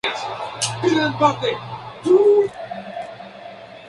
Un recital de música, un concierto, me puede impulsar a escribir un poema.